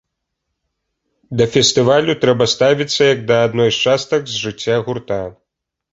Да фестывалю трэба ставіцца як да адной з частак з жыцця гурта.